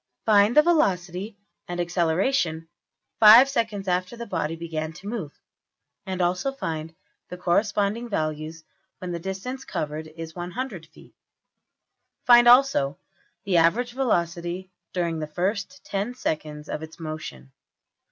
Find the velocity and acceleration $5$~seconds after the body began to move, and also find the corresponding values when the distance covered is $100$~feet. Find also the average velocity during the first $10$~seconds of its motion.